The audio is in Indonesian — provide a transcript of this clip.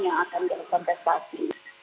yang akan dikonfesasi